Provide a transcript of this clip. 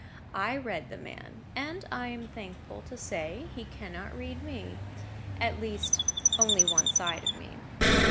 I read the man. And, I am thankful to say, he cannot read me. At least, only one side of me.